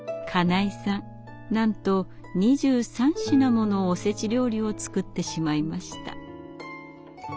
なんと２３品ものおせち料理を作ってしまいました。